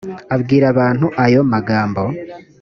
abwira abantu ayo magambo